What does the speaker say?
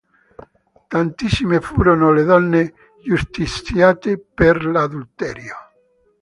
Tantissime furono le donne giustiziate per adulterio.